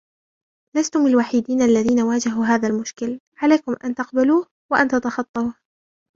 لستم الوحيدين الذين واجهوا هذا المشكل ، عليكم أن تقبلوه و أن تتخطوه.